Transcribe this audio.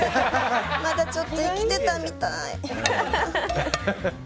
まだちょっと生きてたみたい。